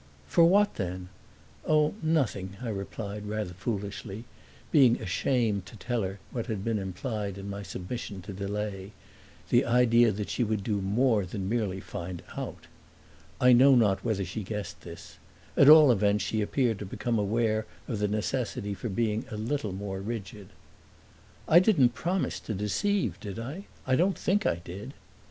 "For what then?" "Oh, nothing," I replied, rather foolishly, being ashamed to tell her what had been implied in my submission to delay the idea that she would do more than merely find out. I know not whether she guessed this; at all events she appeared to become aware of the necessity for being a little more rigid. "I didn't promise to deceive, did I? I don't think I did."